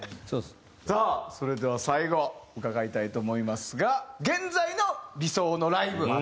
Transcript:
さあそれでは最後伺いたいと思いますが現在の理想のライブ。